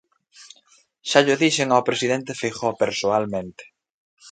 Xa llo dixen ao presidente Feijóo persoalmente.